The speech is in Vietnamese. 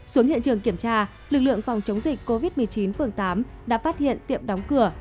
xuống hiện trường kiểm tra lực lượng phòng chống dịch covid một mươi chín phường tám đã phát hiện tiệm đóng cửa